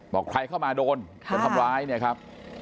บอกใครเข้ามาโดนจะทำร้ายเนี่ยครับ